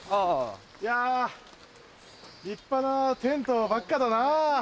いや立派なテントばっかだなぁ。